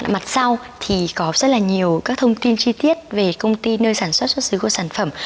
mặt sau thì có rất là nhiều các thông tin chi tiết về công ty nơi sản xuất xuất xứ của sản phẩm